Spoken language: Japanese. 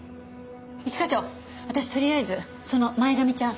一課長私とりあえずその前髪ちゃん